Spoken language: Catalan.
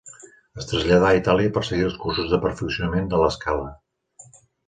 Es traslladà a Itàlia per seguir els cursos de perfeccionament de La Scala.